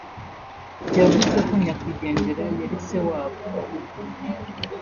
yavuze ko Nyakwigendera yari se wabo